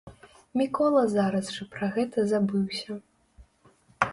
Мікола зараз жа пра гэта забыўся.